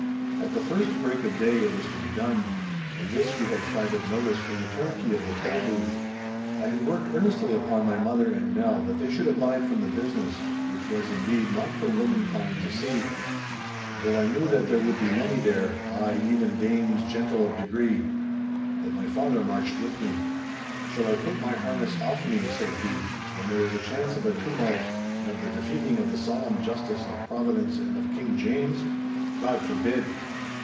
At the first break of day it was to be done. Of this we had private notice from the turnkey of the Tolbooth. I had worked earnestly upon my mother and Nell that they should abide from the business—which was, indeed, not for womankind to see. Though I knew that there would be many there, ay, even dames gentle of degree. But my father marched with me. 'Shall I put my harness off me,' said he, 'when there is a chance of a tumult, and of the defeating of the solemn justice of Providence and of King James? God forbid!